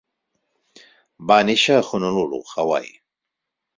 Va néixer a Honolulu, Hawaii.